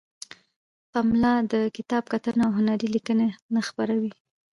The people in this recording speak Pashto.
پملا د کتاب کتنه او هنری لیکنې نه خپروي.